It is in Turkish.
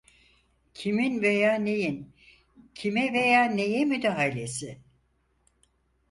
Kimin veya neyin, kime veya neye müdahalesi?